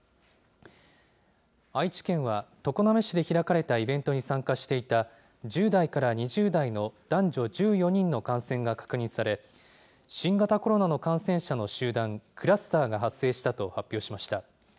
愛知県は、常滑市で開かれたイベントに参加していた１０代から２０代の男女１４人の感染が確認され、新型コロナの感染者の集団・クラスターが発生したと発表しました。